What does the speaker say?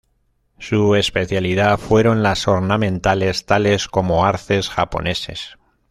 Su especialidad fueron las ornamentales, tales como arces japoneses.